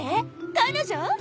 彼女？